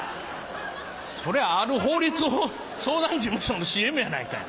それあの法律相談事務所のＣＭやないかい。